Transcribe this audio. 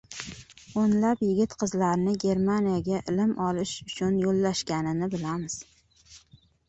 o‘nlab yigit-qizlarni Germaniyaga ilm olish uchun yo‘llashganini bilamiz.